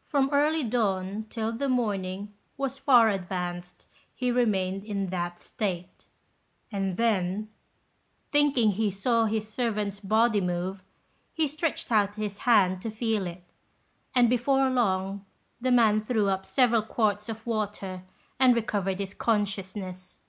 From early dawn till the morning was far advanced he remained in that state; and then, thinking he saw his servant's body move, he stretched out his hand to feel it, and before long the man threw up several quarts of water and recovered his consciousness.